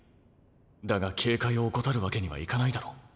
だが警戒を怠るわけにはいかないだろ。